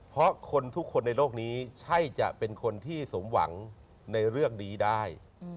เพราะอะไร